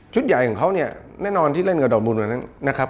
ใหญ่ของเขาเนี่ยแน่นอนที่เล่นกับดอกมูลวันนั้นนะครับ